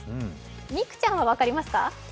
美空ちゃんは分かりますか？